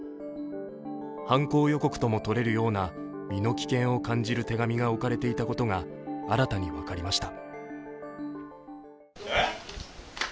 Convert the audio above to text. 犯行予告ともとれるような美濃危険を感じる手紙が置かれていたことが新たに分かりました。